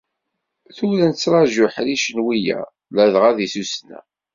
Tura nettraǧu iḥricen wiyaḍ, ladɣa di tussna.